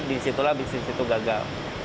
disitulah bisnis itu gagal